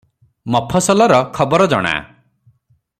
ମଫସଲର ଖବର ଜଣା ।